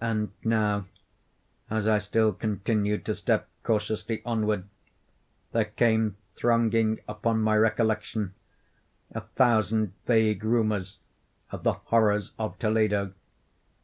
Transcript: And now, as I still continued to step cautiously onward, there came thronging upon my recollection a thousand vague rumors of the horrors of Toledo.